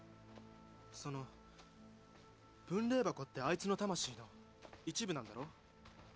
その分霊箱ってあいつの魂の一部なんだろ？